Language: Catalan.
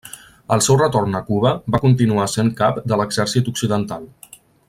Al seu retorn a Cuba va continuar sent cap de l'Exèrcit Occidental.